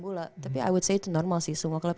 bola tapi i would say itu normal sih semua klub